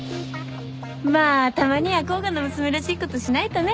まあたまには甲賀の娘らしいことしないとね。